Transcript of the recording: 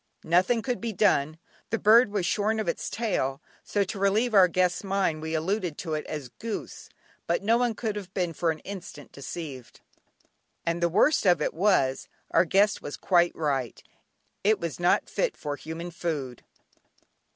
Nothing could be done. The bird was shorn of its tail, so to relieve our guest's mind we alluded to it as "goose," but no one could have been for an instant deceived. And the worst of it was, our guest was quite right, it was not fit for human food.